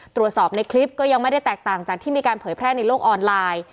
ตรวจสอบในคลิปก็ยังไม่ได้แตกต่างจากที่มีการเผยแพร่ในโลกออนไลน์